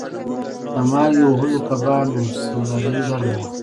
د مالګې وهلو کبانو سوداګري ګرمه وه.